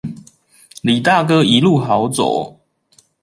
李大哥一路好走